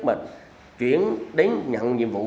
mà chuyển đến nhận nhiệm vụ